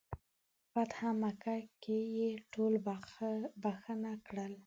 فتح مکه کې یې ټول بخښنه کړل.